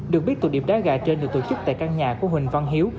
được biết tụi điệp đá gà trên được tổ chức tại căn nhà của huỳnh văn hiếu